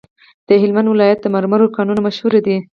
د هلمند ولایت د مرمرو کانونه مشهور دي؟